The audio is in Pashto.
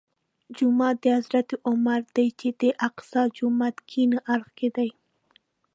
جومات د حضرت عمر دی چې د اقصی جومات کیڼ اړخ کې دی.